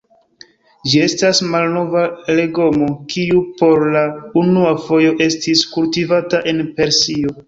Ĝi estas malnova legomo kiu por la unua fojo estis kultivata en Persio.